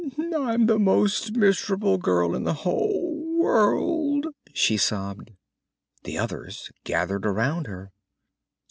"I'm the most miserable girl in the whole world!" she sobbed. The others gathered around her.